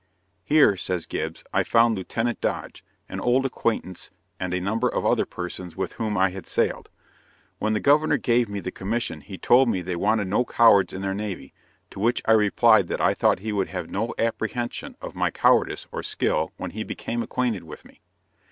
"Here," says Gibbs, "I found Lieutenant Dodge, an old acquaintance, and a number of other persons with whom I had sailed. When the Governor gave me the commission he told me they wanted no cowards in their navy, to which I replied that I thought he would have no apprehension of my cowardice or skill when he became acquainted with me.